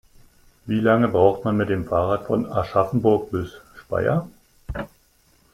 Wie lange braucht man mit dem Fahrrad von Aschaffenburg bis Speyer?